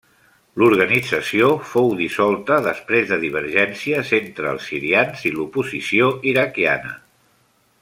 L'organització fou dissolta després de divergències entre els sirians i l'oposició iraquiana.